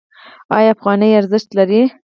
آیا افغانۍ ارزښت لري؟